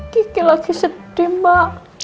kiki lagi sedih mbak